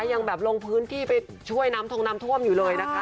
ยังแบบลงพื้นที่ไปช่วยน้ำทงน้ำท่วมอยู่เลยนะคะ